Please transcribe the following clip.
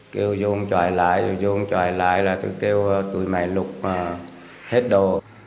kêu vô tròi lại rồi vô tròi lại là tôi kêu tụi mày lục hết đồ